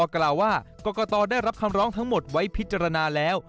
กล่าวว่ากรกตได้รับคำร้องทั้งหมดไว้พิจารณาแล้ว